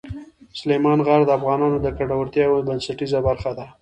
سلیمان غر د افغانانو د ګټورتیا یوه بنسټیزه برخه ده.